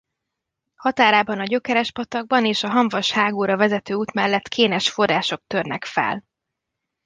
Határában a Gyökeres-patakban és a Hamvas-hágóra vezető út mellett kénes források törnek fel.